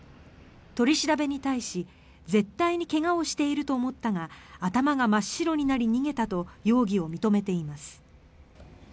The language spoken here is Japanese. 取り調べに対し絶対に怪我をしていると思ったが頭が真っ白になり逃げたと容疑を認めています。